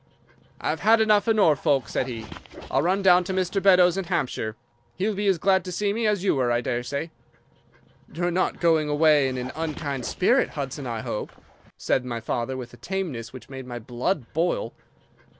"'"I've had enough of Norfolk," said he. "I'll run down to Mr. Beddoes in Hampshire. He'll be as glad to see me as you were, I daresay." "'"You're not going away in an unkind spirit, Hudson, I hope," said my father, with a tameness which made my blood boil.